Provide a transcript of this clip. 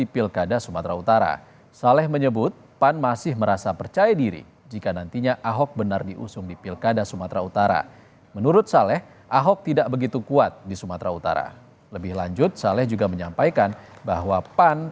sekarang beliau bersama kita sudah keluar dari pemerintahan